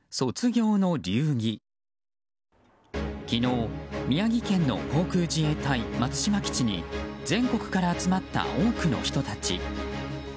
昨日、宮城県の航空自衛隊松島基地に全国から集まった多くの人たち。